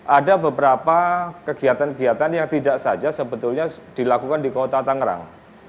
ada beberapa kegiatan kegiatan yang tidak saja sebetulnya dilakukan di kota tangerang